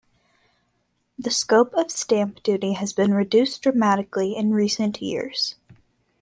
The scope of stamp duty has been reduced dramatically in recent years.